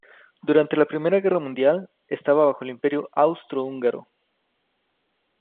Durante la primera guerra mundial estaba bajo el Imperio austrohúngaro.